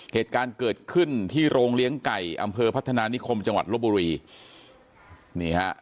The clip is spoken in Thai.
เหตุการณ์เกิดขึ้นที่โรงเลี้ยงไก่อำเภอพัฒนานิคมจังหวัดลบบุรีนี่ฮะ